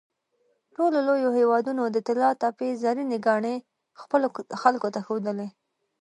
ټولو لویو هېوادونو د طلاتپې زرینې ګاڼې خپلو خلکو ته ښودلې.